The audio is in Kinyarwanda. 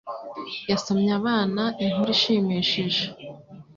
Yasomye abana inkuru ishimishije.